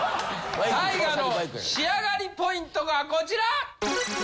ＴＡＩＧＡの仕上がりポイントがこちら！